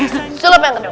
sulap yang kedua